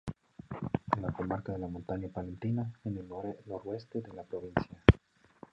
En la comarca de la Montaña Palentina, en el Noroeste de la provincia.